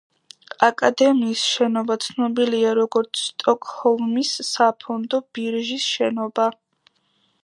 აკადემიის შენობა ცნობილია როგორც სტოკჰოლმის საფონდო ბირჟის შენობა.